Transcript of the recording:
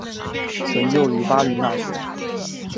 曾就读于巴黎大学。